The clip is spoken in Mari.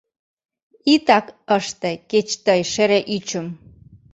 Итак ыште кеч тый шере ӱчым!